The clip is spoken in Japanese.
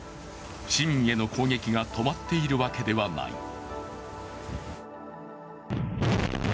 市民への攻撃が止まっているわけではない。